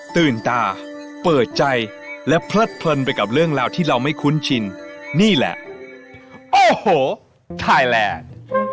ตื่นตาเปิดใจและเพลิดเพลินไปกับเรื่องราวที่เราไม่คุ้นชินนี่แหละโอ้โหไทยแลนด์